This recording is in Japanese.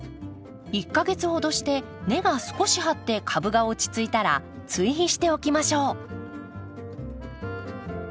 １か月ほどして根が少し張って株が落ち着いたら追肥しておきましょう。